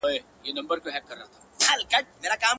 ما منلی پر ځان حکم د سنګسار دی,